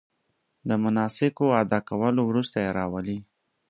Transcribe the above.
د مناسکو ادا کولو وروسته یې راولي.